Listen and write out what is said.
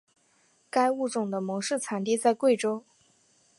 该物种的模式产地在贵州。